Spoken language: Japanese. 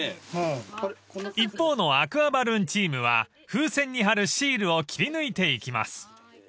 ［一方のアクアバルーンチームは風船に貼るシールを切り抜いていきます］